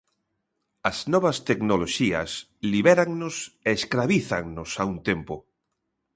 As novas tecnoloxías libérannos e escravízannos a un tempo.